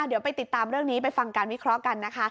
เดี๋ยวไปติดตามเรื่องนี้ไปฟังการวิเคราะห์กันนะคะ